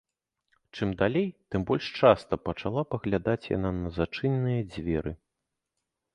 Чым далей, тым больш часта пачала паглядаць яна на зачыненыя дзверы.